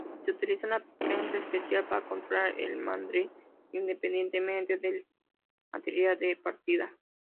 Se utiliza una prensa especial para controlar el mandril independientemente del material de partida.